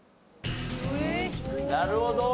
なるほど。